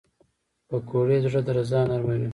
پکورې د زړه درزا نرموي